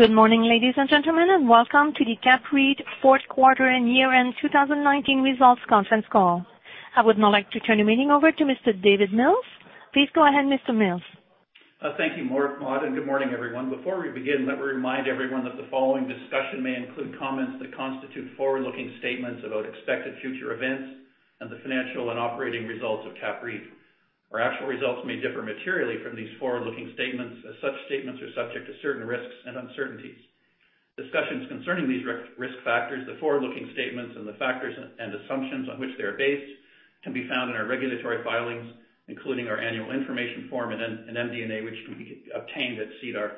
Good morning, ladies and gentlemen, and welcome to the CAPREIT fourth quarter and year-end 2019 results conference call. I would now like to turn the meeting over to Mr. David Mills. Please go ahead, Mr. Mills. Thank you, Maude, and good morning, everyone. Before we begin, let me remind everyone that the following discussion may include comments that constitute forward-looking statements about expected future events and the financial and operating results of CAPREIT. Our actual results may differ materially from these forward-looking statements, as such statements are subject to certain risks and uncertainties. Discussions concerning these risk factors, the forward-looking statements, and the factors and assumptions on which they are based can be found in our regulatory filings, including our annual information form and MD&A, which can be obtained at SEDAR.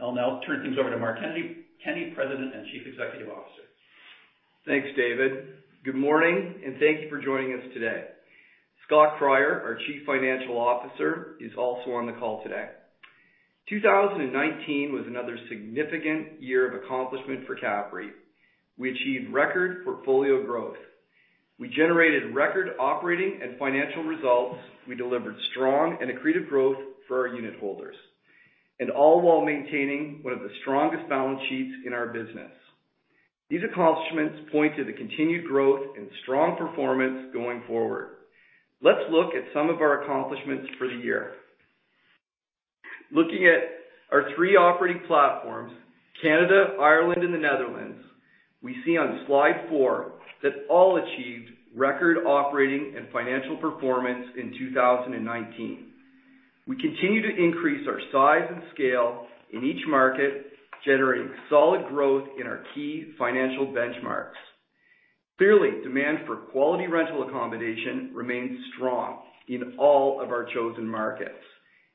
I'll now turn things over to Mark Kenney, President and Chief Executive Officer. Thanks, David. Good morning, thank you for joining us today. Scott Cryer, our Chief Financial Officer, is also on the call today. 2019 was another significant year of accomplishment for CAPREIT. We achieved record portfolio growth. We generated record operating and financial results. We delivered strong and accretive growth for our unitholders, all while maintaining one of the strongest balance sheets in our business. These accomplishments point to the continued growth and strong performance going forward. Let's look at some of our accomplishments for the year. Looking at our three operating platforms, Canada, Ireland, and the Netherlands, we see on slide four that all achieved record operating and financial performance in 2019. We continue to increase our size and scale in each market, generating solid growth in our key financial benchmarks. Clearly, demand for quality rental accommodation remains strong in all of our chosen markets,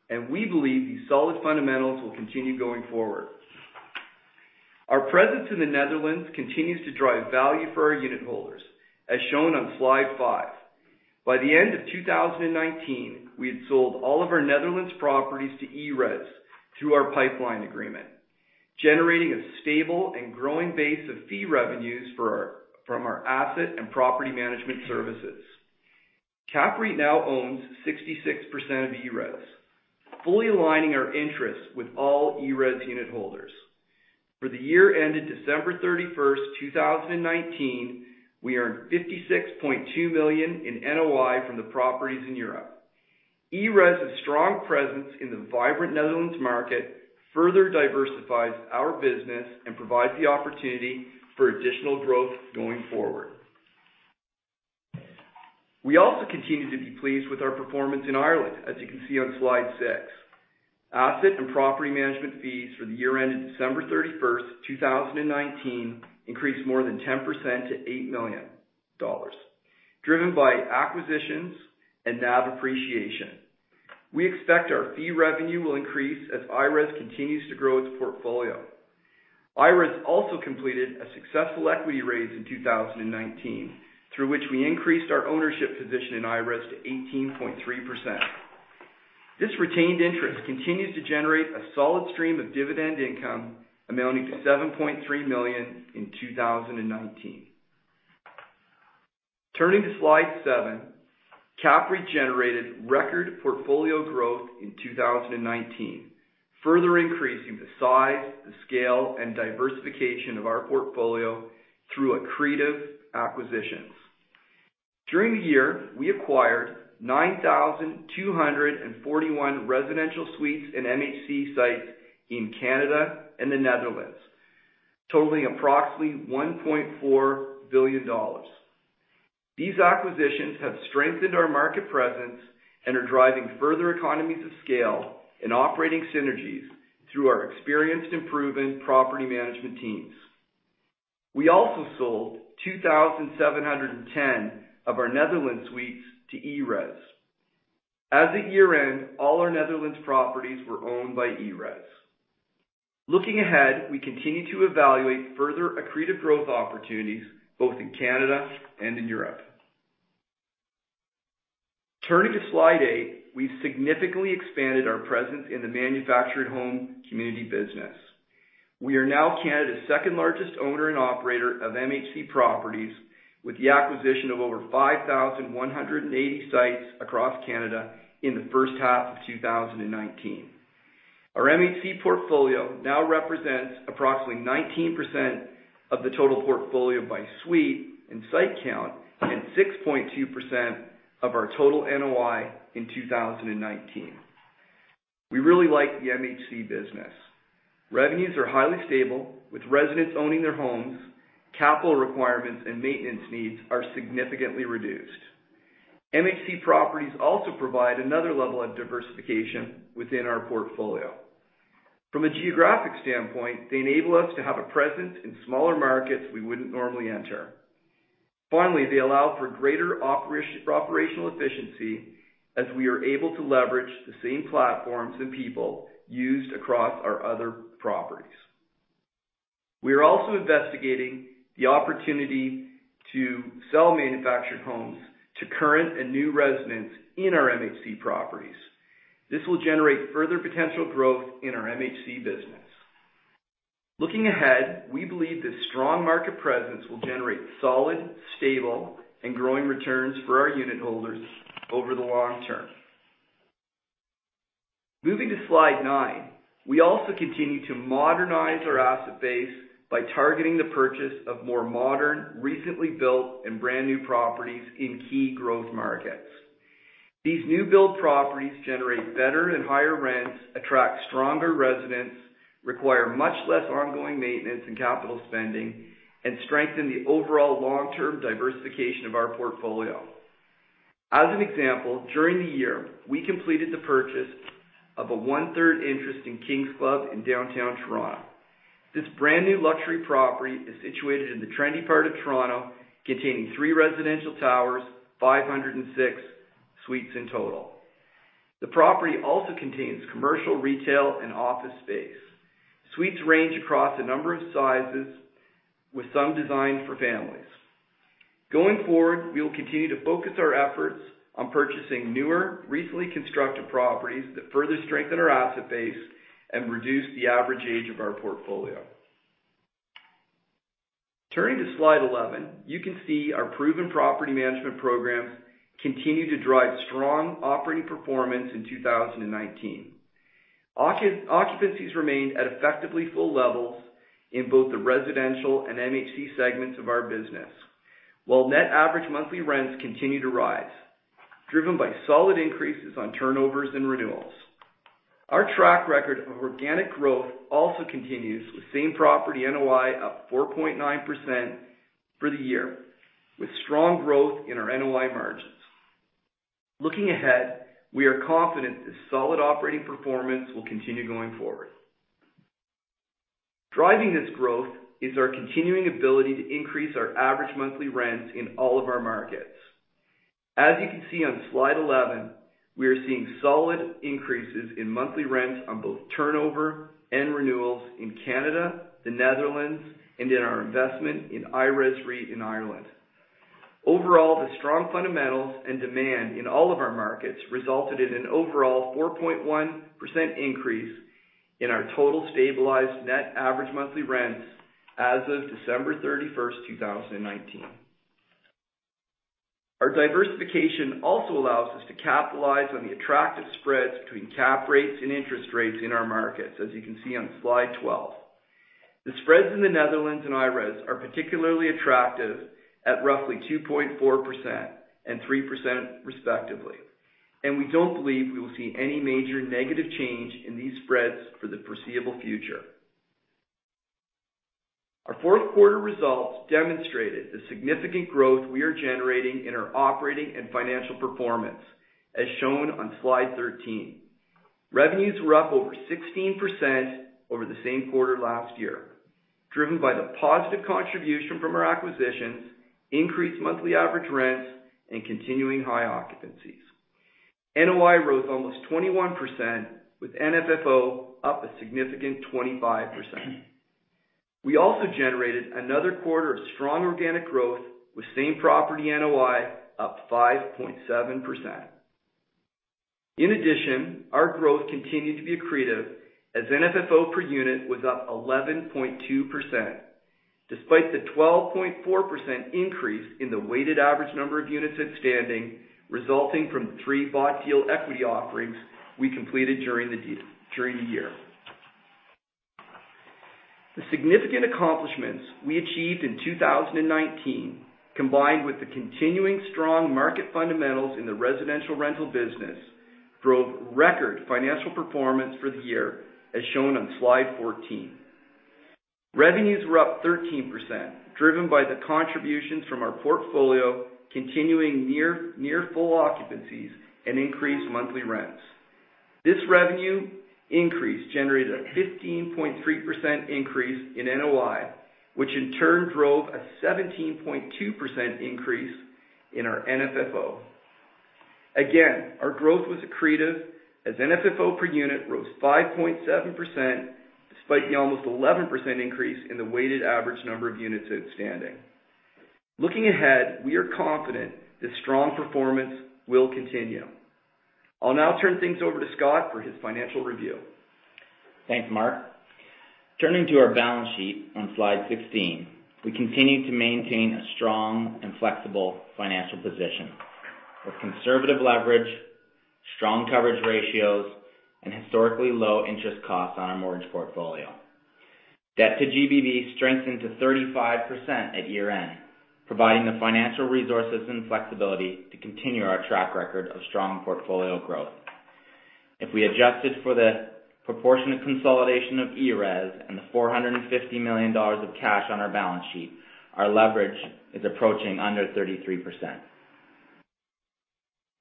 and we believe these solid fundamentals will continue going forward. Our presence in the Netherlands continues to drive value for our unitholders, as shown on slide five. By the end of 2019, we had sold all of our Netherlands properties to ERES through our pipeline agreement, generating a stable and growing base of fee revenues from our asset and property management services. CAPREIT now owns 66% of ERES, fully aligning our interests with all ERES unitholders. For the year ended December 31st, 2019, we earned 56.2 million in NOI from the properties in Europe. ERES' strong presence in the vibrant Netherlands market further diversifies our business and provides the opportunity for additional growth going forward. We also continue to be pleased with our performance in Ireland, as you can see on slide six. Asset and property management fees for the year ended December 31st, 2019 increased more than 10% to 8 million dollars, driven by acquisitions and NAV appreciation. We expect our fee revenue will increase as IRES continues to grow its portfolio. IRES also completed a successful equity raise in 2019, through which we increased our ownership position in IRES to 18.3%. This retained interest continues to generate a solid stream of dividend income amounting to 7.3 million in 2019. Turning to slide seven, CAPREIT generated record portfolio growth in 2019, further increasing the size, the scale, and diversification of our portfolio through accretive acquisitions. During the year, we acquired 9,241 residential suites and MHC sites in Canada and the Netherlands, totaling approximately 1.4 billion dollars. These acquisitions have strengthened our market presence and are driving further economies of scale and operating synergies through our experienced and proven property management teams. We also sold 2,710 of our Netherlands suites to ERES. As of year-end, all our Netherlands properties were owned by ERES. Looking ahead, we continue to evaluate further accretive growth opportunities both in Canada and in Europe. Turning to slide eight, we've significantly expanded our presence in the manufactured home community business. We are now Canada's second-largest owner and operator of MHC properties, with the acquisition of over 5,180 sites across Canada in the first half of 2019. Our MHC portfolio now represents approximately 19% of the total portfolio by suite and site count, and 6.2% of our total NOI in 2019. We really like the MHC business. Revenues are highly stable, with residents owning their homes. Capital requirements and maintenance needs are significantly reduced. MHC properties also provide another level of diversification within our portfolio. From a geographic standpoint, they enable us to have a presence in smaller markets we wouldn't normally enter. Finally, they allow for greater operational efficiency, as we are able to leverage the same platforms and people used across our other properties. We are also investigating the opportunity to sell manufactured homes to current and new residents in our MHC properties. This will generate further potential growth in our MHC business. Looking ahead, we believe this strong market presence will generate solid, stable, and growing returns for our unitholders over the long term. Moving to slide nine, we also continue to modernize our asset base by targeting the purchase of more modern, recently built, and brand-new properties in key growth markets. These new build properties generate better and higher rents, attract stronger residents, require much less ongoing maintenance and capital spending, and strengthen the overall long-term diversification of our portfolio. As an example, during the year, we completed the purchase of a 1/3 interest in Kings Club in downtown Toronto. This brand-new luxury property is situated in the trendy part of Toronto, containing three residential towers, 506 suites in total. The property also contains commercial, retail, and office space. Suites range across a number of sizes, with some designed for families. Going forward, we will continue to focus our efforts on purchasing newer, recently constructed properties that further strengthen our asset base and reduce the average age of our portfolio. Turning to slide 11, you can see our proven property management programs continued to drive strong operating performance in 2019. Occupancies remained at effectively full levels in both the residential and MHC segments of our business. Net average monthly rents continued to rise, driven by solid increases on turnovers and renewals. Our track record of organic growth also continues, with same property NOI up 4.9% for the year, with strong growth in our NOI margins. Looking ahead, we are confident this solid operating performance will continue going forward. Driving this growth is our continuing ability to increase our average monthly rents in all of our markets. As you can see on slide 11, we are seeing solid increases in monthly rents on both turnover and renewals in Canada, the Netherlands, and in our investment in IRES REIT in Ireland. Overall, the strong fundamentals and demand in all of our markets resulted in an overall 4.1% increase in our total stabilized net average monthly rents as of December 31st, 2019. Our diversification also allows us to capitalize on the attractive spreads between cap rates and interest rates in our markets, as you can see on slide 12. The spreads in the Netherlands and IRES are particularly attractive at roughly 2.4% and 3% respectively, and we don't believe we will see any major negative change in these spreads for the foreseeable future. Our fourth quarter results demonstrated the significant growth we are generating in our operating and financial performance, as shown on slide 13. Revenues were up over 16% over the same quarter last year, driven by the positive contribution from our acquisitions, increased monthly average rents, and continuing high occupancies. NOI rose almost 21%, with NFFO up a significant 25%. We also generated another quarter of strong organic growth, with same property NOI up 5.7%. In addition, our growth continued to be accretive, as NFFO per unit was up 11.2%, despite the 12.4% increase in the weighted average number of units outstanding, resulting from three bought deal equity offerings we completed during the year. The significant accomplishments we achieved in 2019, combined with the continuing strong market fundamentals in the residential rental business, drove record financial performance for the year, as shown on slide 14. Revenues were up 13%, driven by the contributions from our portfolio, continuing near full occupancies, and increased monthly rents. This revenue increase generated a 15.3% increase in NOI, which in turn drove a 17.2% increase in our NFFO. Again, our growth was accretive, as NFFO per unit rose 5.7%, despite the almost 11% increase in the weighted average number of units outstanding. Looking ahead, we are confident this strong performance will continue. I'll now turn things over to Scott for his financial review. Thanks, Mark. Turning to our balance sheet on slide 16, we continue to maintain a strong and flexible financial position with conservative leverage, strong coverage ratios, and historically low interest costs on our mortgage portfolio. Debt to GBV strengthened to 35% at year-end, providing the financial resources and flexibility to continue our track record of strong portfolio growth. If we adjusted for the proportionate consolidation of ERES and the 450 million dollars of cash on our balance sheet, our leverage is approaching under 33%.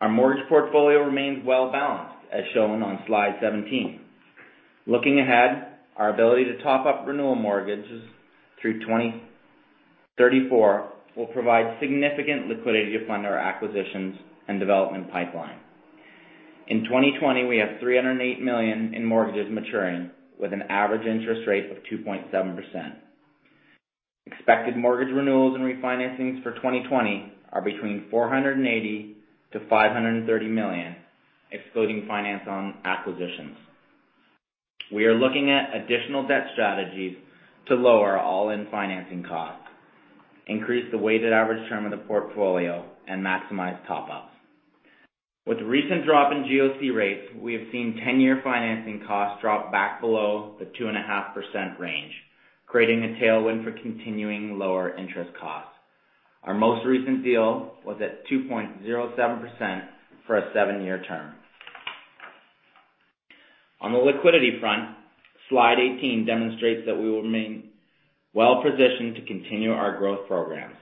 Our mortgage portfolio remains well-balanced, as shown on slide 17. Looking ahead, our ability to top up renewal mortgages through 2034 will provide significant liquidity to fund our acquisitions and development pipeline. In 2020, we have 308 million in mortgages maturing, with an average interest rate of 2.7%. Expected mortgage renewals and refinancings for 2020 are between 480 million-530 million, excluding finance on acquisitions. We are looking at additional debt strategies to lower all-in financing costs, increase the weighted average term of the portfolio, and maximize top-ups. With the recent drop in GOC rates, we have seen 10-year financing costs drop back below the 2.5% range, creating a tailwind for continuing lower interest costs. Our most recent deal was at 2.07% for a seven-year term. On the liquidity front, slide 18 demonstrates that we will remain well-positioned to continue our growth programs.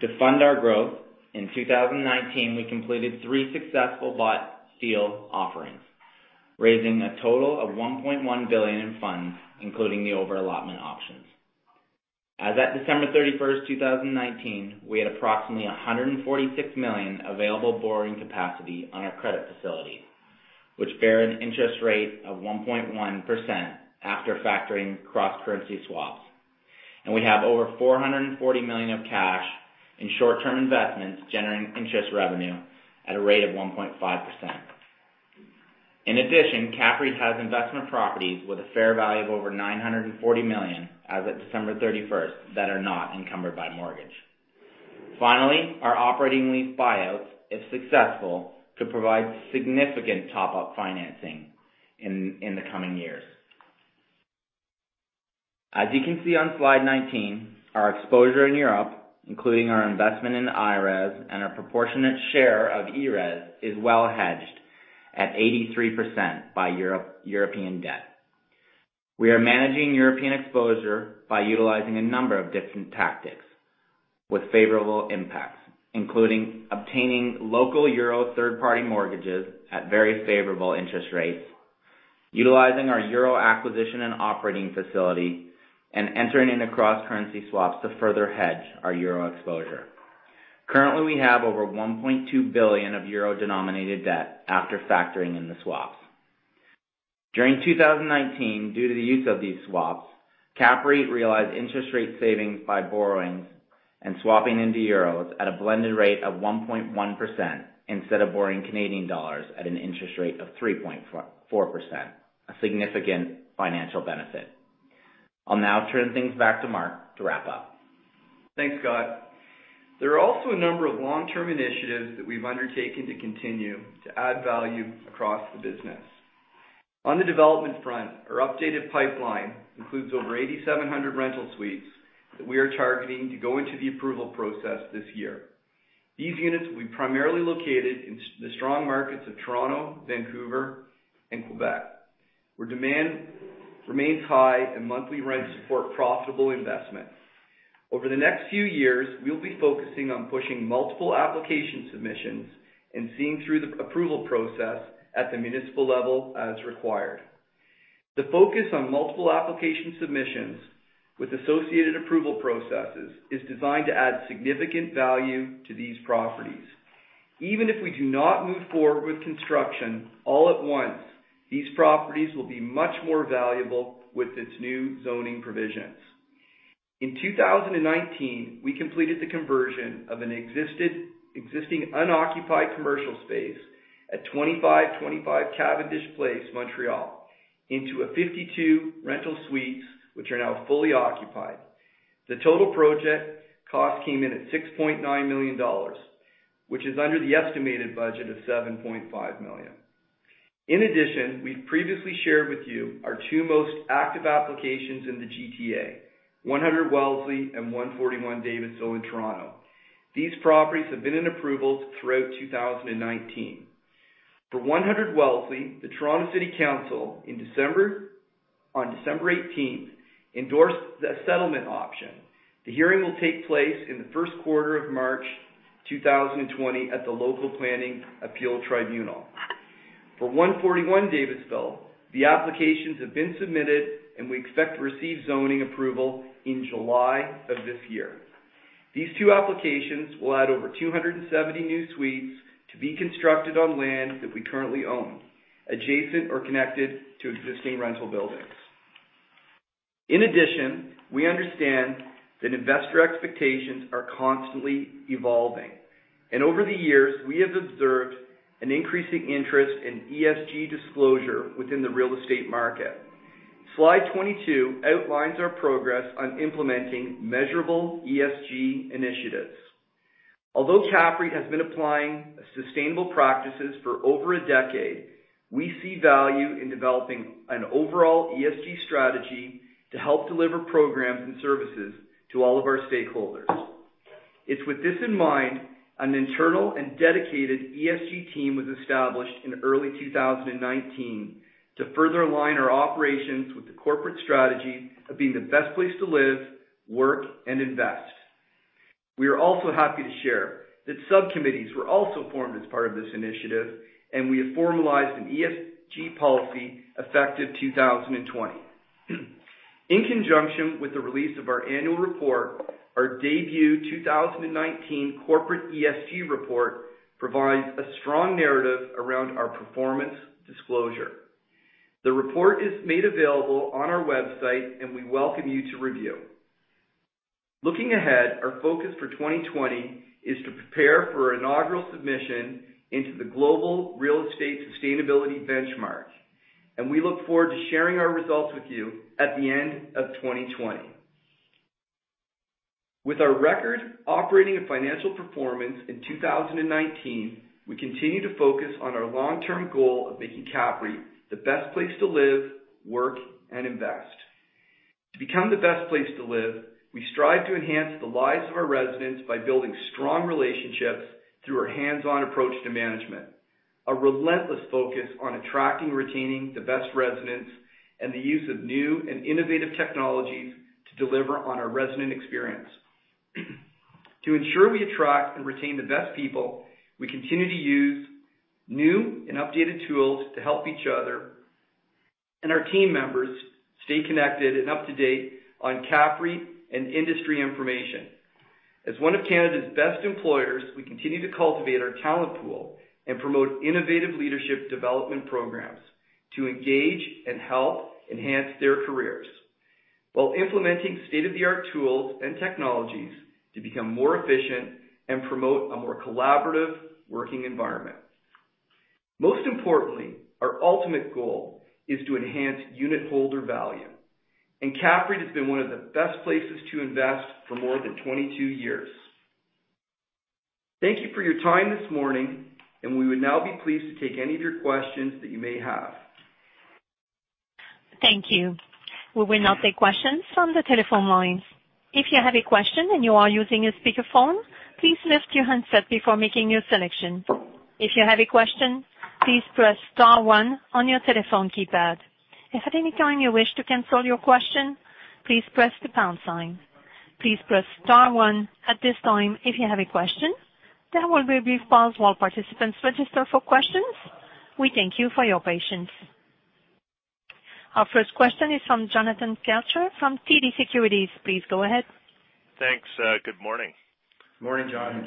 To fund our growth, in 2019, we completed three successful bought deal offerings, raising a total of 1.1 billion in funds, including the over-allotment options. As at December 31st, 2019, we had approximately 146 million available borrowing capacity on our credit facility, which bear an interest rate of 1.1% after factoring cross-currency swaps. We have over 440 million of cash in short-term investments, generating interest revenue at a rate of 1.5%. In addition, CAPREIT has investment properties with a fair value of over 940 million as of December 31st that are not encumbered by mortgage. Finally, our operating lease buyouts, if successful, could provide significant top-up financing in the coming years. As you can see on slide 19, our exposure in Europe, including our investment in IRES and our proportionate share of ERES, is well hedged at 83% by European debt. We are managing European exposure by utilizing a number of different tactics with favorable impacts, including obtaining local euro third-party mortgages at very favorable interest rates, utilizing our euro acquisition and operating facility, and entering into cross-currency swaps to further hedge our euro exposure. Currently, we have over 1.2 billion of euro-denominated debt after factoring in the swaps. During 2019, due to the use of these swaps, CAPREIT realized interest rate savings by borrowing and swapping into EUR at a blended rate of 1.1%, instead of borrowing CAD at an interest rate of 3.4%, a significant financial benefit. I'll now turn things back to Mark to wrap up. Thanks, Scott. There are also a number of long-term initiatives that we've undertaken to continue to add value across the business. On the development front, our updated pipeline includes over 8,700 rental suites that we are targeting to go into the approval process this year. These units will be primarily located in the strong markets of Toronto, Vancouver, and Quebec, where demand remains high and monthly rents support profitable investment. Over the next few years, we will be focusing on pushing multiple application submissions and seeing through the approval process at the municipal level as required. The focus on multiple application submissions with associated approval processes is designed to add significant value to these properties. Even if we do not move forward with construction all at once, these properties will be much more valuable with its new zoning provisions. In 2019, we completed the conversion of an existing unoccupied commercial space at 2525 Cavendish Boulevard, Montreal, into a 52 rental suites, which are now fully occupied. The total project cost came in at 6.9 million dollars, which is under the estimated budget of 7.5 million. In addition, we've previously shared with you our two most active applications in the GTA, 100 Wellesley and 141 Davisville in Toronto. These properties have been in approvals throughout 2019. For 100 Wellesley, the Toronto City Council, on December 18th, endorsed the settlement option. The hearing will take place in the first quarter of March 2020 at the Local Planning Appeal Tribunal. For 141 Davisville, the applications have been submitted, and we expect to receive zoning approval in July of this year. These two applications will add over 270 new suites to be constructed on land that we currently own, adjacent or connected to existing rental buildings. We understand that investor expectations are constantly evolving, and over the years, we have observed an increasing interest in ESG disclosure within the real estate market. Slide 22 outlines our progress on implementing measurable ESG initiatives. Although CAPREIT has been applying sustainable practices for over a decade, we see value in developing an overall ESG strategy to help deliver programs and services to all of our stakeholders. It's with this in mind, an internal and dedicated ESG team was established in early 2019 to further align our operations with the corporate strategy of being the best place to live, work, and invest. We are also happy to share that subcommittees were also formed as part of this initiative, and we have formalized an ESG policy effective 2020. In conjunction with the release of our annual report, our debut 2019 corporate ESG report provides a strong narrative around our performance disclosure. The report is made available on our website, and we welcome you to review. Looking ahead, our focus for 2020 is to prepare for inaugural submission into the Global Real Estate Sustainability Benchmark, and we look forward to sharing our results with you at the end of 2020. With our record operating and financial performance in 2019, we continue to focus on our long-term goal of making CAPREIT the best place to live, work, and invest. To become the best place to live, we strive to enhance the lives of our residents by building strong relationships through our hands-on approach to management, a relentless focus on attracting and retaining the best residents, and the use of new and innovative technologies to deliver on our resident experience. To ensure we attract and retain the best people, we continue to use new and updated tools to help each other, and our team members stay connected and up to date on CAPREIT and industry information. As one of Canada's best employers, we continue to cultivate our talent pool and promote innovative leadership development programs to engage and help enhance their careers, while implementing state-of-the-art tools and technologies to become more efficient and promote a more collaborative working environment. Most importantly, our ultimate goal is to enhance unitholder value. CAPREIT has been one of the best places to invest for more than 22 years. Thank you for your time this morning. We would now be pleased to take any of your questions that you may have. Thank you. We will now take questions from the telephone lines. If you have a question and you are using a speakerphone, please lift your handset before making your selection. If you have a question, please press star one on your telephone keypad. If at any time you wish to cancel your question, please press the pound sign. Please press star one at this time if you have a question. There will be a brief pause while participants register for questions. We thank you for your patience. Our first question is from Jonathan Kelcher from TD Securities. Please go ahead. Thanks. Good morning. Morning, Jon.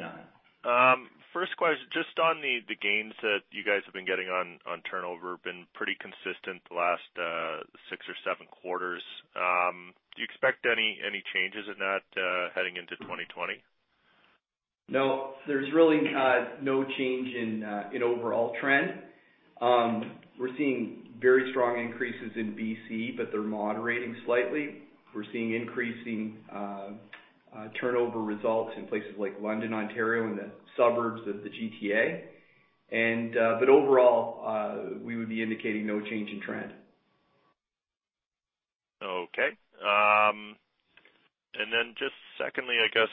First question, just on the gains that you guys have been getting on turnover, been pretty consistent the last six or seven quarters. Do you expect any changes in that heading into 2020? No. There's really no change in overall trend. We're seeing very strong increases in BC, but they're moderating slightly. We're seeing increasing turnover results in places like London, Ontario, and the suburbs of the GTA. Overall, we would be indicating no change in trend. Okay. Just secondly, I guess,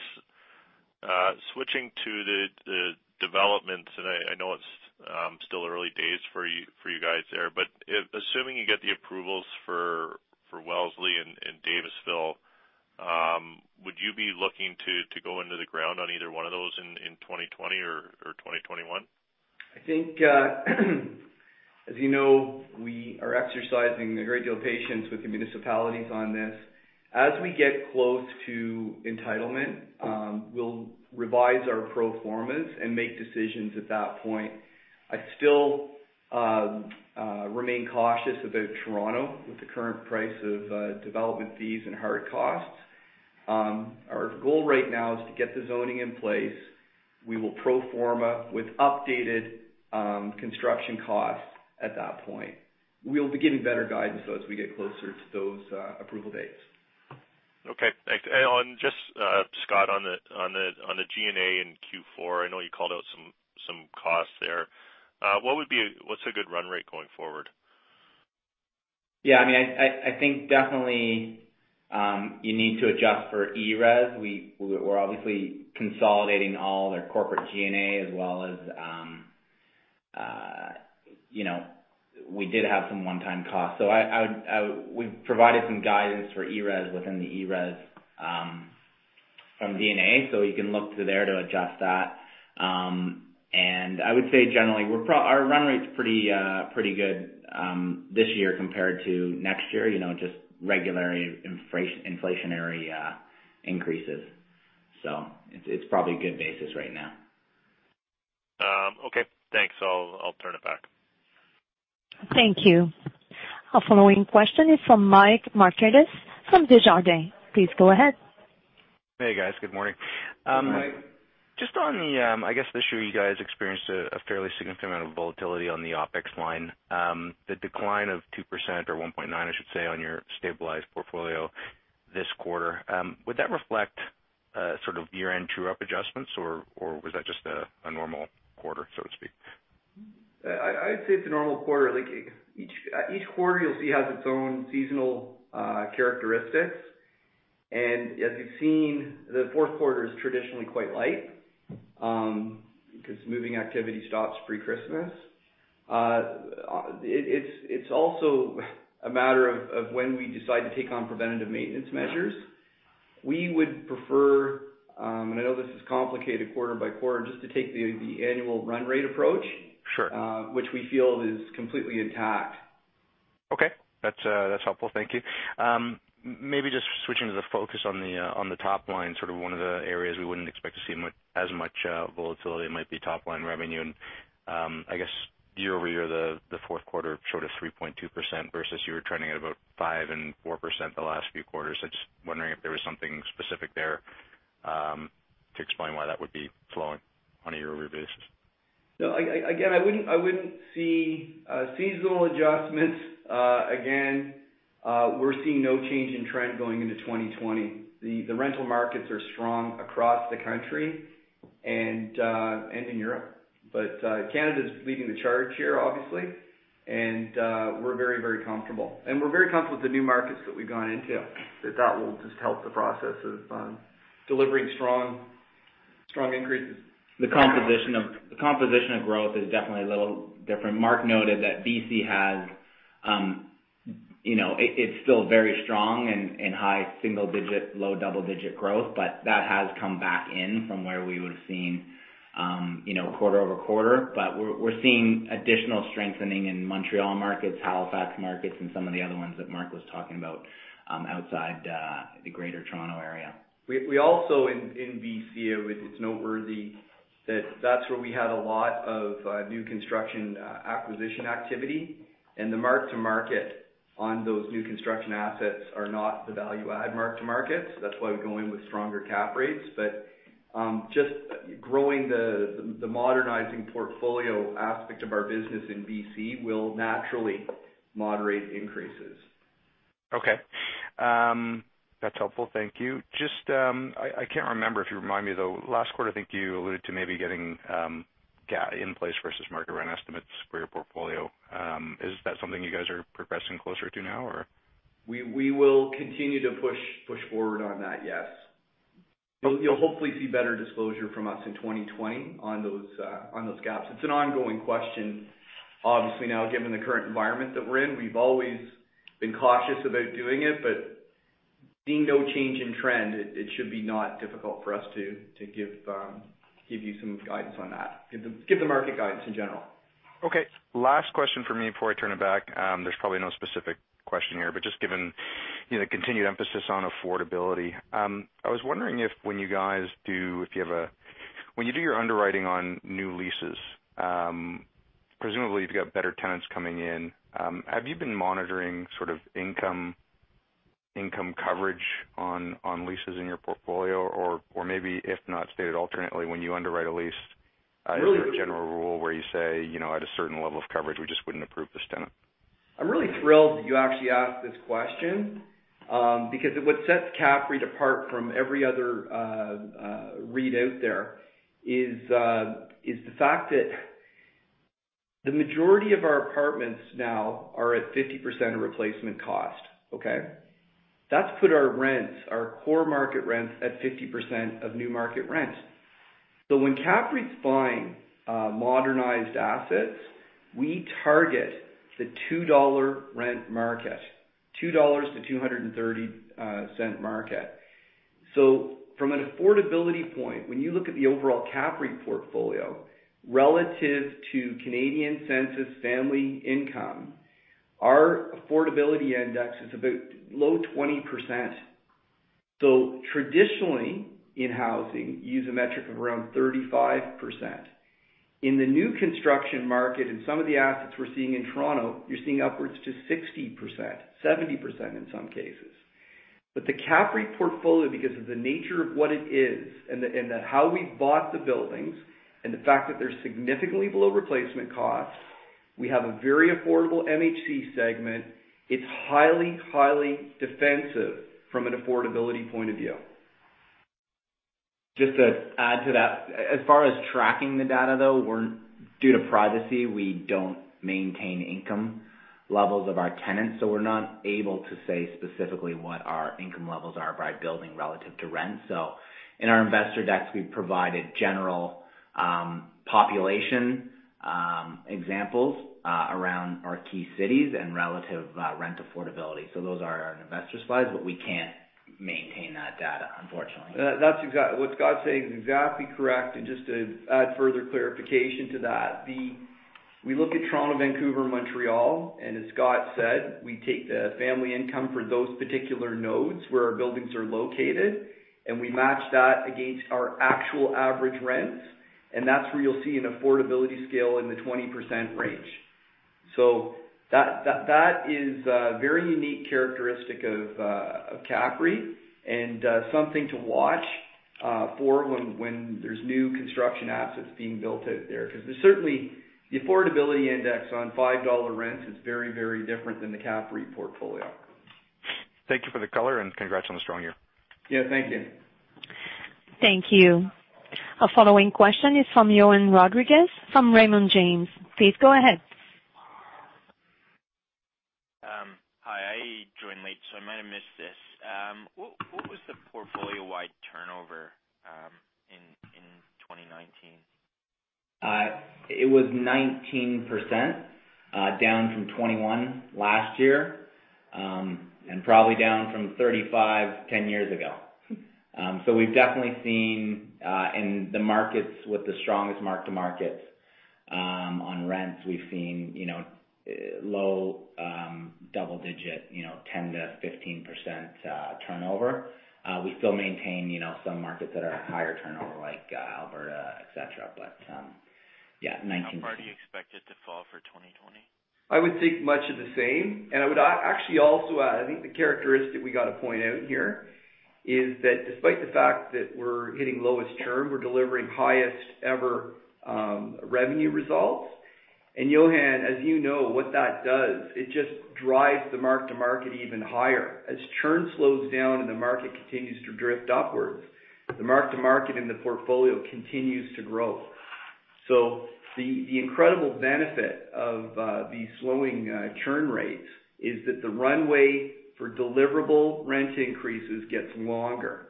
switching to the developments, and I know it's still early days for you guys there. Assuming you get the approvals for Wellesley and Davisville, would you be looking to go into the ground on either one of those in 2020 or 2021? I think, as you know, we are exercising a great deal of patience with the municipalities on this. As we get close to entitlement, we'll revise our pro formas and make decisions at that point. I still remain cautious about Toronto with the current price of development fees and hard costs. Our goal right now is to get the zoning in place. We will pro forma with updated construction costs at that point. We'll be getting better guidance though as we get closer to those approval dates. Okay, thanks. Scott, on the G&A in Q4, I know you called out some costs there. What's a good run rate going forward? Yeah. I think definitely, you need to adjust for ERES. We're obviously consolidating all their corporate G&A as well as we did have some one-time costs. We've provided some guidance for ERES within the ERES from G&A, so you can look to there to adjust that. I would say generally, our run rate's pretty good this year compared to next year, just regular inflationary increases. It's probably a good basis right now. Okay, thanks. I'll turn it back. Thank you. Our following question is from Mike Markidis from Desjardins. Please go ahead. Hey, guys. Good morning. Good morning, Mike. Just on the, I guess this year you guys experienced a fairly significant amount of volatility on the OpEx line. The decline of 2%, or 1.9% I should say, on your stabilized portfolio this quarter, would that reflect sort of year-end true-up adjustments, or was that just a normal quarter, so to speak? I'd say it's a normal quarter. Each quarter you'll see has its own seasonal characteristics. As you've seen, the fourth quarter is traditionally quite light, because moving activity stops pre-Christmas. It's also a matter of when we decide to take on preventative maintenance measures. We would prefer, and I know this is complicated quarter by quarter, just to take the annual run rate approach. Sure. Which we feel is completely intact. Okay, that's helpful. Thank you. Maybe just switching the focus on the top line, sort of one of the areas we wouldn't expect to see as much volatility might be top-line revenue, I guess year-over-year, the fourth quarter showed a 3.2% versus you were trending at about 5% and 4% the last few quarters. I'm just wondering if there was something specific there to explain why that would be flowing on a year-over-year basis. No, again, I wouldn't see seasonal adjustments. Again, we're seeing no change in trend going into 2020. The rental markets are strong across the country and in Europe. Canada's leading the charge here, obviously, and we're very comfortable. We're very comfortable with the new markets that we've gone into, that will just help the process of delivering strong increases. The composition of growth is definitely a little different. Mark noted that BC, it's still very strong in high single-digit, low double-digit growth, but that has come back in from where we would've seen quarter-over-quarter. We're seeing additional strengthening in Montreal markets, Halifax markets, and some of the other ones that Mark was talking about outside the Greater Toronto Area. We also, in BC, it's noteworthy that that's where we had a lot of new construction acquisition activity. The mark-to-market on those new construction assets are not the value-add mark-to-markets. That's why we go in with stronger cap rates. Just growing the modernizing portfolio aspect of our business in BC will naturally moderate increases. Okay, that's helpful thank you. I can't remember if you remind me, though. Last quarter, I think you alluded to maybe getting gap in place versus market rent estimates for your portfolio. Is that something you guys are progressing closer to now, or? We will continue to push forward on that, yes. You'll hopefully see better disclosure from us in 2020 on those gaps. It's an ongoing question, obviously, now, given the current environment that we're in. We've always been cautious about doing it. Seeing no change in trend, it should be not difficult for us to give you some guidance on that. Give the market guidance, in general. Okay. Last question from me before I turn it back. There's probably no specific question here, but just given the continued emphasis on affordability. I was wondering, when you do your underwriting on new leases, presumably you've got better tenants coming in. Have you been monitoring income coverage on leases in your portfolio? Really- Is there a general rule where you say, at a certain level of coverage, we just wouldn't approve this tenant? I'm really thrilled you actually asked this question. Because what sets CAPREIT apart from every other REIT out there is the fact that the majority of our apartments now are at 50% of replacement cost, okay? That's put our rents, our core market rents, at 50% of new market rents. When CAPREIT's buying modernized assets, we target the 2 dollar rent market, 2 dollars to 2.30 market. From an affordability point, when you look at the overall CAPREIT portfolio relative to Canadian census family income, our affordability index is about low 20%. Traditionally, in housing, you use a metric of around 35%. In the new construction market, in some of the assets we're seeing in Toronto, you're seeing upwards to 60%, 70% in some cases. The CAPREIT portfolio, because of the nature of what it is and how we've bought the buildings and the fact that they're significantly below replacement cost, we have a very affordable MHC segment. It's highly defensive from an affordability point of view. Just to add to that, as far as tracking the data, though, due to privacy, we don't maintain income levels of our tenants. We're not able to say specifically what our income levels are by building relative to rent. In our investor decks, we've provided general population examples around our key cities and relative rent affordability. Those are on our investor slides, but we can't maintain that data, unfortunately. What Scott's saying is exactly correct. Just to add further clarification to that, we look at Toronto, Vancouver, and Montreal, and as Scott said, we take the family income for those particular nodes where our buildings are located, and we match that against our actual average rents, and that's where you'll see an affordability scale in the 20% range. That is a very unique characteristic of CAPREIT and something to watch for when there's new construction assets being built out there. Because certainly, the affordability index on 5 dollar rents is very different than the CAPREIT portfolio. Thank you for the color, and congrats on the strong year. Yeah, thank you. Thank you. Our following question is from Johann Rodrigues from Raymond James. Please go ahead. Hi. I joined late. I might have missed this. What was the portfolio-wide turnover in 2019? It was 19%, down from 21 last year. Probably down from 35, 10 years ago. We've definitely seen in the markets with the strongest mark-to-markets on rents, we've seen low double-digit, 10%-15% turnover. We still maintain some markets that are higher turnover, like Alberta, et cetera. Yeah, 19%. Fall for 2020? I would think much of the same. I would actually also add, I think the characteristic we got to point out here is that despite the fact that we're hitting lowest churn, we're delivering highest-ever revenue results. Johann, as you know, what that does, it just drives the mark-to-market even higher. As churn slows down and the market continues to drift upwards, the mark-to-market in the portfolio continues to grow. The incredible benefit of these slowing churn rates is that the runway for deliverable rent increases gets longer.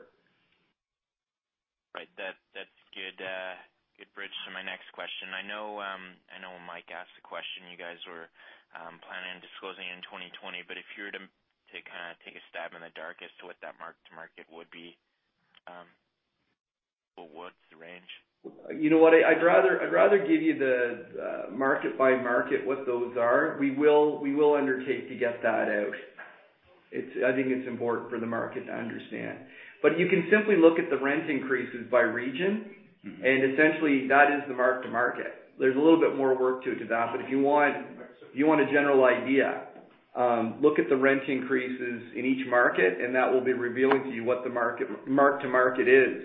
Right. That's good bridge to my next question. I know Mike asked a question, you guys were planning on disclosing in 2020, but if you were to take a stab in the dark as to what that mark-to-market would be, what's the range? You know what? I'd rather give you the market-by-market what those are. We will undertake to get that out. I think it's important for the market to understand. You can simply look at the rent increases by region, and essentially that is the mark-to-market. There's a little bit more work to it than that, but if you want a general idea, look at the rent increases in each market, and that will be revealing to you what the mark-to-market is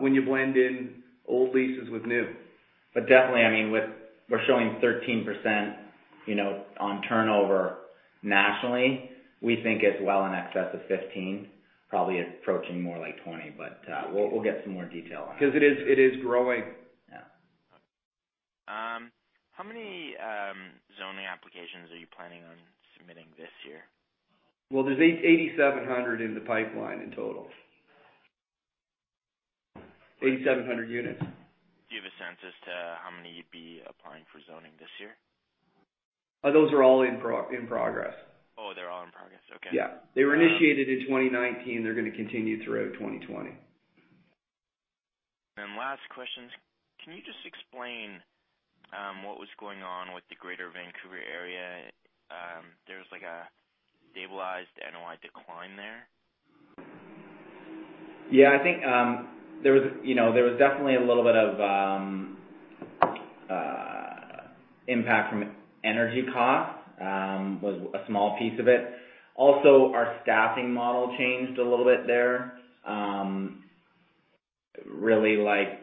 when you blend in old leases with new. Definitely, we're showing 13% on turnover nationally. We think it's well in excess of 15, probably approaching more like 20, but we'll get some more detail on that. Because it is growing. Yeah. How many zoning applications are you planning on submitting this year? Well, there's 8,700 in the pipeline in total. 8,700 units. Do you have a sense as to how many you'd be applying for zoning this year? Those are all in progress. Oh, they're all in progress. Okay. Yeah. They were initiated in 2019. They're going to continue throughout 2020. Last question. Can you just explain what was going on with the Greater Vancouver area? There was like a stabilized NOI decline there. Yeah, I think there was definitely a little bit of impact from energy costs, was a small piece of it. Also, our staffing model changed a little bit there. Really,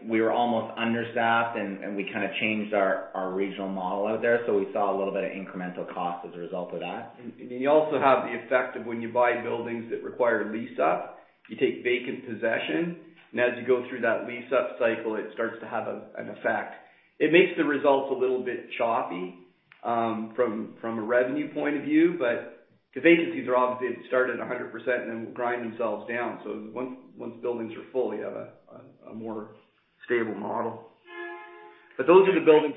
we were almost understaffed, and we kind of changed our regional model out there, so we saw a little bit of incremental cost as a result of that. You also have the effect of when you buy buildings that require a lease-up, you take vacant possession, and as you go through that lease-up cycle, it starts to have an effect. It makes the results a little bit choppy from a revenue point of view, because vacancies are obviously started at 100% and then grind themselves down. Once buildings are full, you have a more stable model. Those are the buildings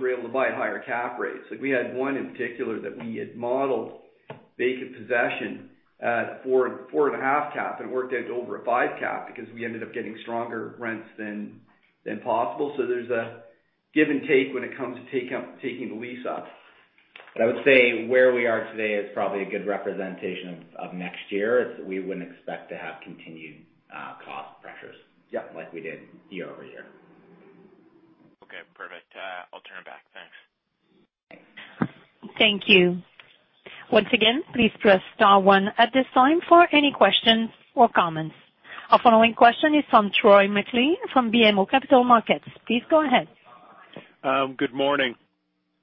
we're able to buy at higher cap rates. We had one in particular that we had modeled vacant possession at 4.5 cap, and it worked out to over a 5 cap because we ended up getting stronger rents than possible. There's a give and take when it comes to taking the lease-up. I would say where we are today is probably a good representation of next year, is we wouldn't expect to have continued cost pressures. Yeah like we did year-over-year. Okay, perfect. I'll turn it back. Thanks. Thank you. Once again, please press star one at this time for any questions or comments. Our following question is from Troy MacLean from BMO Capital Markets. Please go ahead. Good morning.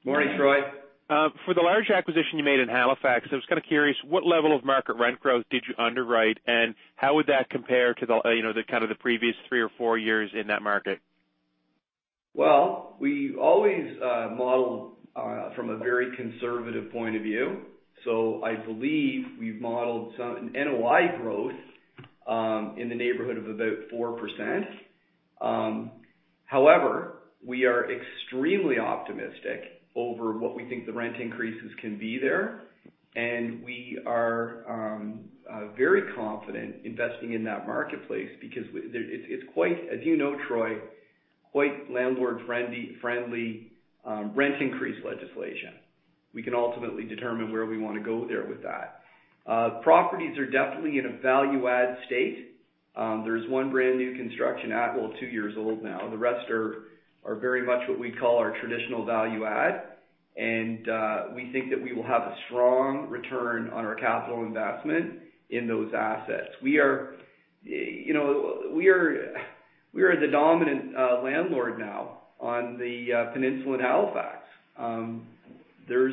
Morning, Troy. For the large acquisition you made in Halifax, I was kind of curious, what level of market rent growth did you underwrite, and how would that compare to the kind of the previous three or four years in that market? Well, we always model from a very conservative point of view. I believe we've modeled some NOI growth in the neighborhood of about 4%. However, we are extremely optimistic over what we think the rent increases can be there. We are very confident investing in that marketplace because it's quite, as you know, Troy, quite landlord-friendly rent increase legislation. We can ultimately determine where we want to go there with that. Properties are definitely in a value-add state, there's one brand-new construction, well, two years old now. The rest are very much what we'd call our traditional value add. We think that we will have a strong return on our capital investment in those assets. We are the dominant landlord now on the peninsula in Halifax. There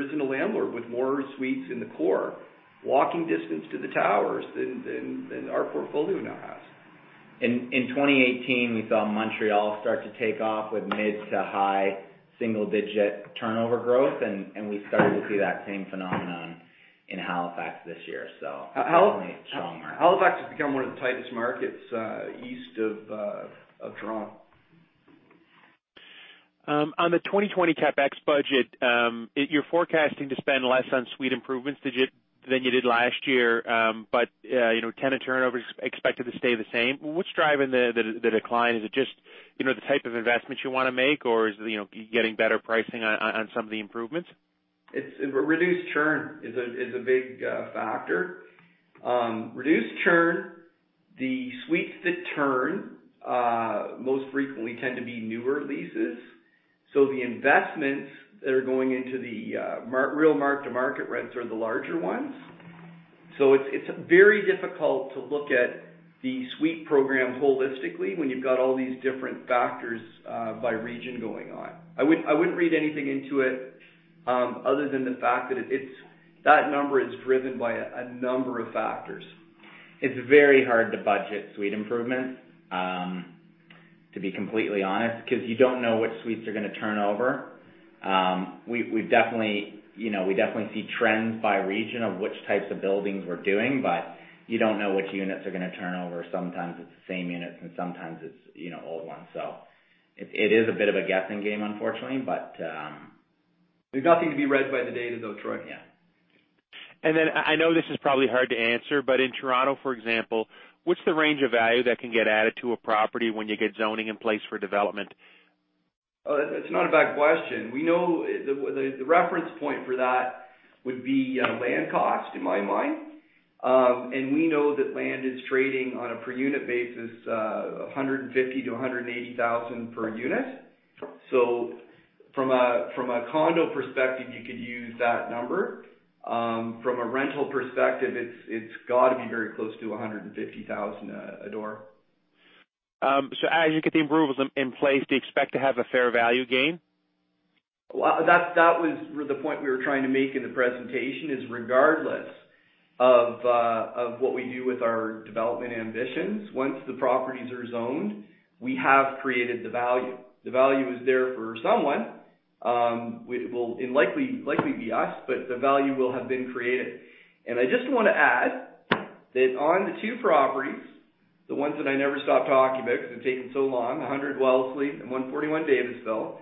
isn't a landlord with more suites in the core, walking distance to the towers, than our portfolio now has. In 2018, we saw Montreal start to take off with mid to high single-digit turnover growth, and we started to see that same phenomenon in Halifax this year. Definitely a strong market. Halifax has become one of the tightest markets east of Toronto. On the 2020 CapEx budget, you're forecasting to spend less on suite improvements than you did last year. Tenant turnover is expected to stay the same. What's driving the decline? Is it just the type of investment you want to make, or are you getting better pricing on some of the improvements? It's reduced churn is a big factor. Reduced churn, the suites that turn most frequently tend to be newer leases. The investments that are going into the real mark-to-market rents are the larger ones. It's very difficult to look at the suite program holistically when you've got all these different factors by region going on. I wouldn't read anything into it, other than the fact that that number is driven by a number of factors. It's very hard to budget suite improvements, to be completely honest, because you don't know which suites are going to turn over. We definitely see trends by region of which types of buildings we're doing, but you don't know which units are going to turn over. Sometimes it's the same units and sometimes it's old ones. It is a bit of a guessing game, unfortunately. There's nothing to be read by the data, though, Troy. Yeah. I know this is probably hard to answer, but in Toronto, for example, what's the range of value that can get added to a property when you get zoning in place for development? Oh, that's not a bad question. We know the reference point for that would be land cost, in my mind. We know that land is trading on a per unit basis, 150,000-180,000 per unit. From a condo perspective, you could use that number. From a rental perspective, it's got to be very close to 150,000 a door. As you get the approvals in place, do you expect to have a fair value gain? That was the point we were trying to make in the presentation, is regardless of what we do with our development ambitions, once the properties are zoned, we have created the value. The value is there for someone. It will likely be us, but the value will have been created. I just want to add that on the two properties, the ones that I never stop talking about because they're taking so long, 100 Wellesley and 141 Davisville,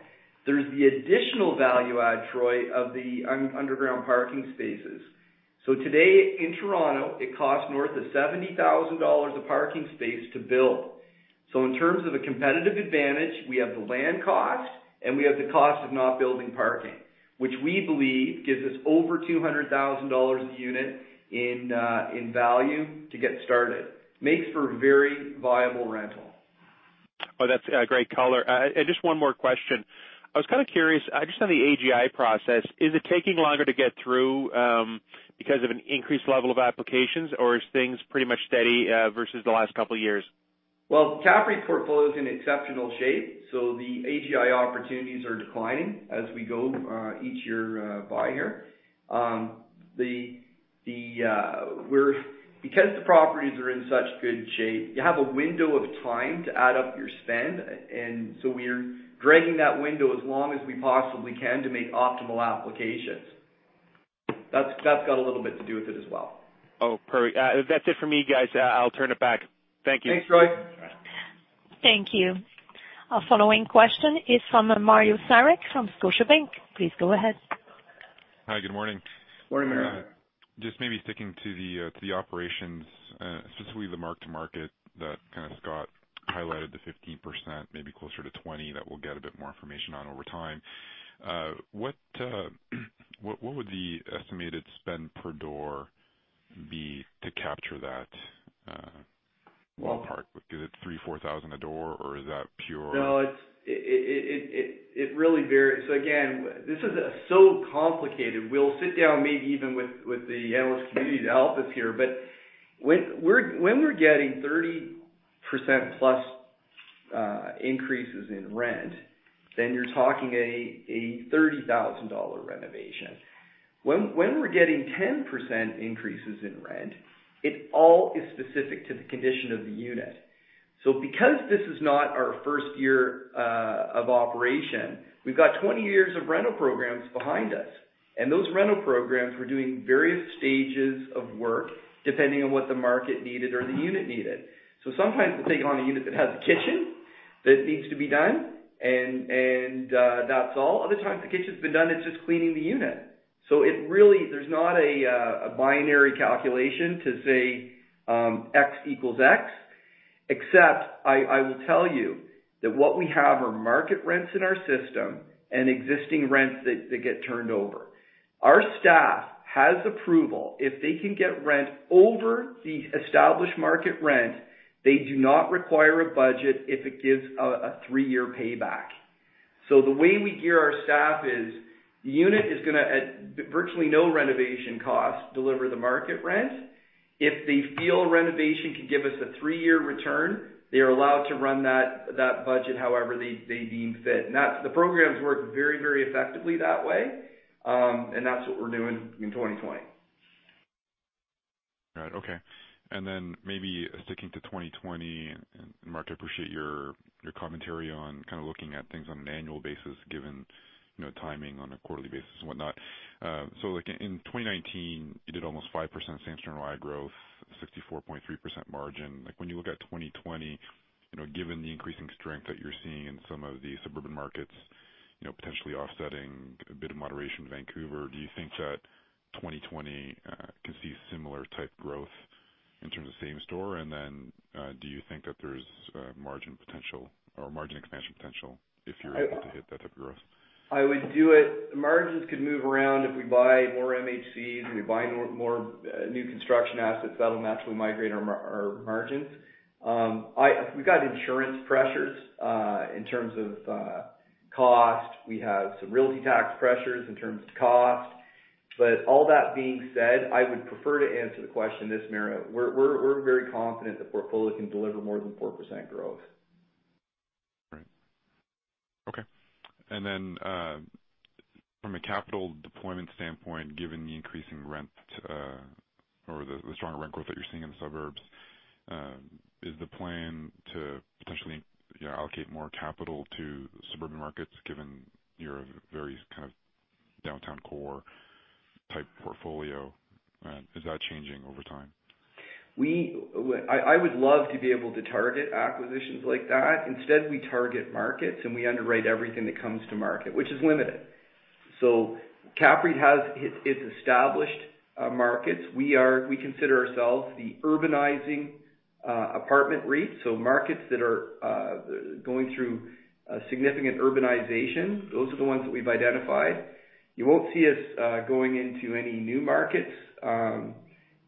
there's the additional value add, Troy, of the underground parking spaces. Today in Toronto, it costs north of 70,000 dollars a parking space to build. In terms of a competitive advantage, we have the land cost, and we have the cost of not building parking, which we believe gives us over 200,000 dollars a unit in value to get started. Makes for very viable rental. Oh, that's a great color. Just one more question. I was kind of curious, just on the AGI process, is it taking longer to get through because of an increased level of applications, or are things pretty much steady versus the last couple of years? CAPREIT portfolio is in exceptional shape, so the AGI opportunities are declining as we go each year by here. Because the properties are in such good shape, you have a window of time to add up your spend, and so we're dragging that window as long as we possibly can to make optimal applications. That's got a little bit to do with it as well. Oh, perfect. That's it for me, guys, I'll turn it back. Thank you. Thanks, Troy. All right. Thank you. Our following question is from Mario Saric, from Scotiabank. Please go ahead. Hi, good morning. Morning, Mario. Just maybe sticking to the operations, specifically the mark-to-market that kind of Scott highlighted, the 15%, maybe closer to 20 that we'll get a bit more information on over time. What would the estimated spend per door be to capture that ballpark? Is it 3,000, 4,000 a door? No, it really varies. Again, this is so complicated. We'll sit down maybe even with the analyst community to help us here, but when we're getting 30%+ increases in rent, then you're talking a 30,000 dollars renovation. When we're getting 10% increases in rent, it all is specific to the condition of the unit. Because this is not our first year of operation, we've got 20 years of rental programs behind us. Those rental programs were doing various stages of work depending on what the market needed or the unit needed. Sometimes we're taking on a unit that has a kitchen that needs to be done and that's all. Other times, the kitchen's been done, it's just cleaning the unit. There's not a binary calculation to say X equals X, except I will tell you that what we have are market rents in our system and existing rents that get turned over. Our staff has approval. If they can get rent over the established market rent, they do not require a budget if it gives a three-year payback. The way we gear our staff is, the unit is going to, at virtually no renovation cost, deliver the market rent. If they feel renovation could give us a three-year return, they are allowed to run that budget however they deem fit. The programs work very, very effectively that way. That's what we're doing in 2020. Right, okay. Maybe sticking to 2020, Mark, I appreciate your commentary on kind of looking at things on an annual basis, given timing on a quarterly basis and whatnot. Like in 2019, you did almost 5% same-store NOI growth, 64.3% margin. When you look at 2020, given the increasing strength that you're seeing in some of the suburban markets potentially offsetting a bit of moderation in Vancouver, do you think that 2020 can see similar type growth in terms of same store? Do you think that there's margin expansion potential if you're able to hit that type of growth? Margins could move around if we buy more MHCs, and we buy more new construction assets, that'll naturally migrate our margins. We've got insurance pressures, in terms of cost. We have some realty tax pressures in terms of cost. All that being said, I would prefer to answer the question this, Mario. We're very confident the portfolio can deliver more than 4% growth. Right. Okay. From a capital deployment standpoint, given the increasing rent, or the stronger rent growth that you're seeing in the suburbs, is the plan to potentially allocate more capital to suburban markets given your very kind of downtown core type portfolio? Is that changing over time? I would love to be able to target acquisitions like that. Instead, we target markets, we underwrite everything that comes to market, which is limited. CAPREIT has its established markets. We consider ourselves the urbanizing apartment REIT. Markets that are going through a significant urbanization, those are the ones that we've identified. You won't see us going into any new markets.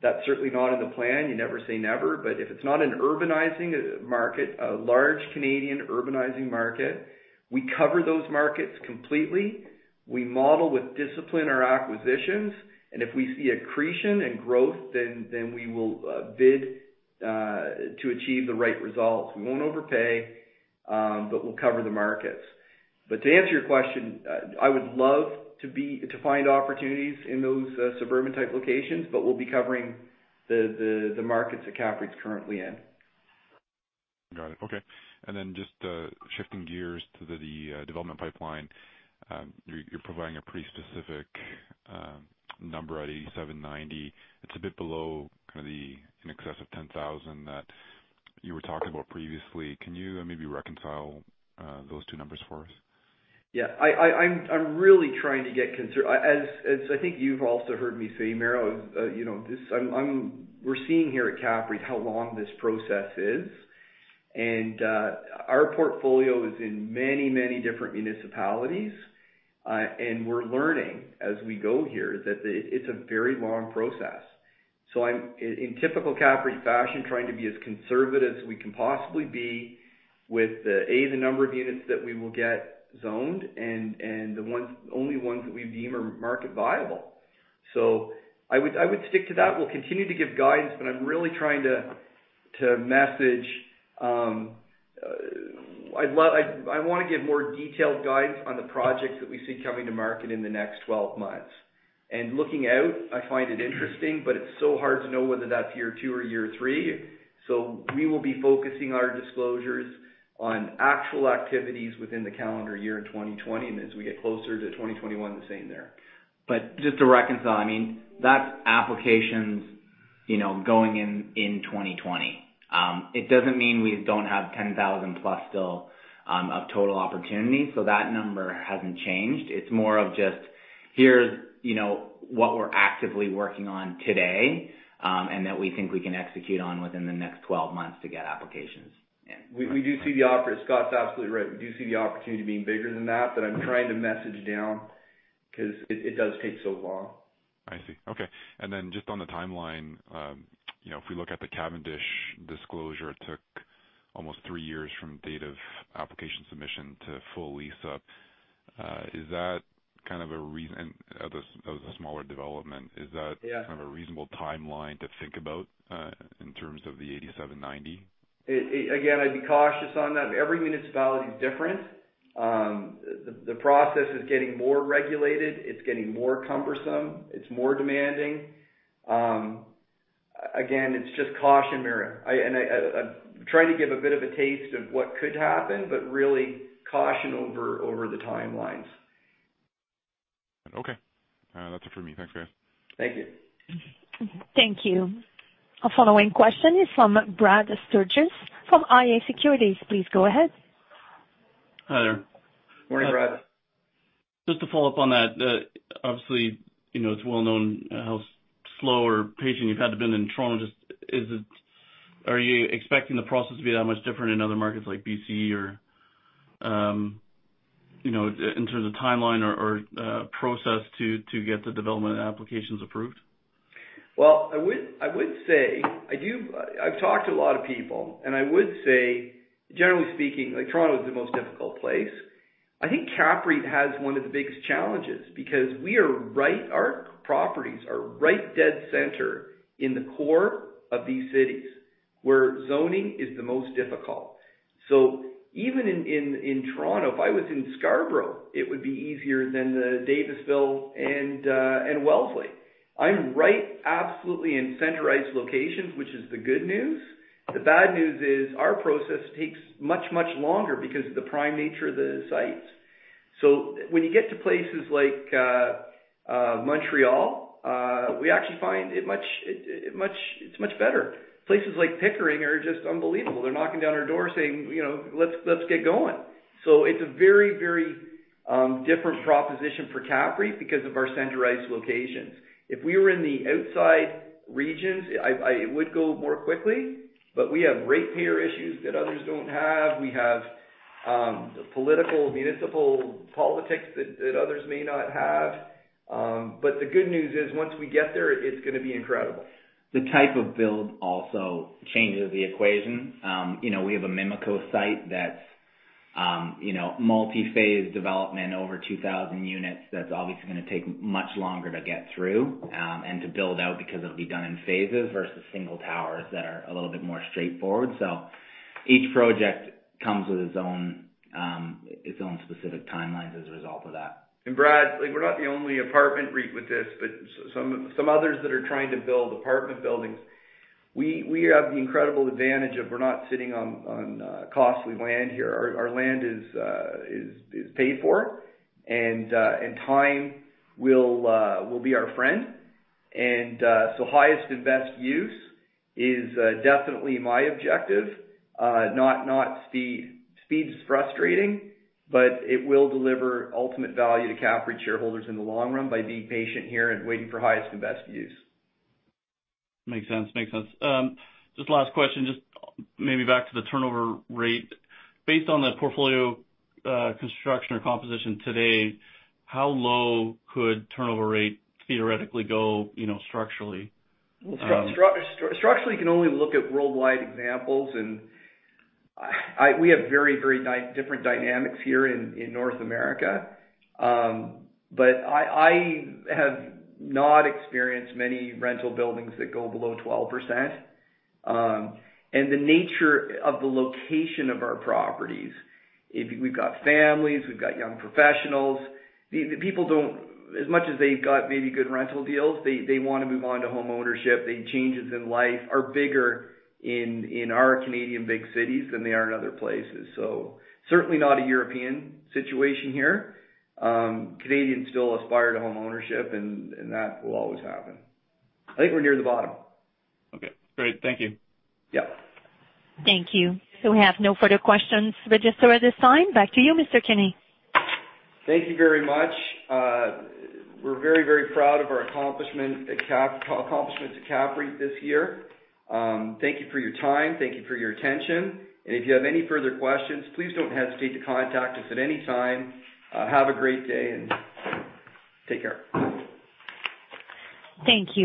That's certainly not in the plan. You never say never, if it's not an urbanizing market, a large Canadian urbanizing market, we cover those markets completely. We model with discipline our acquisitions, if we see accretion and growth, we will bid to achieve the right results. We won't overpay, we'll cover the markets. To answer your question, I would love to find opportunities in those suburban-type locations, we'll be covering the markets that CAPREIT's currently in. Got it, okay. Then just shifting gears to the development pipeline. You're providing a pretty specific number at 8,790. It's a bit below the in excess of 10,000 that you were talking about previously. Can you maybe reconcile those two numbers for us? Yeah. I'm really trying to get conser-- As I think you've also heard me say, Mario, we're seeing here at CAPREIT how long this process is. Our portfolio is in many different municipalities. We're learning as we go here that it's a very long process. I'm, in typical CAPREIT fashion, trying to be as conservative as we can possibly be with the A, the number of units that we will get zoned, and the only ones that we deem are market viable. I would stick to that. We'll continue to give guidance, but I'm really trying to message I want to give more detailed guidance on the projects that we see coming to market in the next 12 months. Looking out, I find it interesting, but it's so hard to know whether that's year two or year three. We will be focusing our disclosures on actual activities within the calendar year in 2020. As we get closer to 2021, the same there. Just to reconcile, that's applications going in in 2020. It doesn't mean we don't have 10,000-plus still of total opportunities. That number hasn't changed. It's more of just here's what we're actively working on today, and that we think we can execute on within the next 12 months to get applications in. Scott's absolutely right. We do see the opportunity being bigger than that, but I'm trying to message down because it does take so long. I see. Okay. Just on the timeline, if we look at the Cavendish disclosure, it took almost three years from date of application submission to full lease-up. That was a smaller development. Yeah Kind of a reasonable timeline to think about in terms of the 8,790? Again, I'd be cautious on that. Every municipality is different, the process is getting more regulated, it's getting more cumbersome, it's more demanding. Again, it's just caution, Mario. I'm trying to give a bit of a taste of what could happen, but really caution over the timelines. Okay. That's it for me. Thanks, guys. Thank you. Thank you. Our following question is from Brad Sturges from IA Securities. Please go ahead. Hi there. Morning, Brad. Just to follow up on that. Obviously, it's well known how slow or patient you've had to been in Toronto. Are you expecting the process to be that much different in other markets like BC or in terms of timeline or process to get the development applications approved? I've talked to a lot of people, and I would say, generally speaking, Toronto is the most difficult place. I think CAPREIT has one of the biggest challenges because our properties are right dead center in the core of these cities where zoning is the most difficult. Even in Toronto, if I was in Scarborough, it would be easier than the Davisville and Wellesley. I'm right absolutely in centralized locations, which is the good news. The bad news is our process takes much longer because of the prime nature of the sites. When you get to places like Montreal, we actually find it's much better. Places like Pickering are just unbelievable. They're knocking down our door saying, "Let's get going." It's a very different proposition for CAPREIT because of our centralized locations. If we were in the outside regions, it would go more quickly. We have ratepayer issues that others don't have. We have political, municipal politics that others may not have. The good news is, once we get there, it's going to be incredible. The type of build also changes the equation. We have a Mimico site that's multi-phase development, over 2,000 units. That's obviously going to take much longer to get through, and to build out, because it'll be done in phases versus single towers that are a little bit more straightforward. Each project comes with its own specific timelines as a result of that. Brad, we're not the only apartment REIT with this, but some others that are trying to build apartment buildings. We have the incredible advantage of we're not sitting on costly land here. Our land is paid for, and time will be our friend. Highest and best use is definitely my objective. Speed is frustrating, but it will deliver ultimate value to CAPREIT shareholders in the long run by being patient here and waiting for highest and best use. Makes sense. Just last question, just maybe back to the turnover rate. Based on the portfolio construction or composition today, how low could turnover rate theoretically go structurally? Structurally, you can only look at worldwide examples, and we have very different dynamics here in North America. I have not experienced many rental buildings that go below 12%. The nature of the location of our properties, we've got families, we've got young professionals. As much as they've got maybe good rental deals, they want to move on to home ownership. The changes in life are bigger in our Canadian big cities than they are in other places. Certainly not a European situation here, Canadians still aspire to home ownership, and that will always happen. I think we're near the bottom. Okay, great. Thank you. Yeah. Thank you. We have no further questions registered at this time. Back to you, Mr. Kenney. Thank you very much. We're very proud of our accomplishments at CAPREIT this year. Thank you for your time. Thank you for your attention. If you have any further questions, please don't hesitate to contact us at any time. Have a great day, and take care. Thank you.